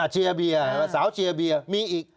เชียร์เบียร์สาวเชียร์เบียร์มีอีก